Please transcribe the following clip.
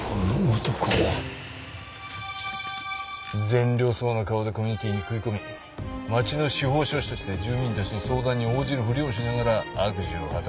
善良そうな顔でコミュニティーに食い込み町の司法書士として住民たちの相談に応じるふりをしながら悪事を働く機会をうかがう。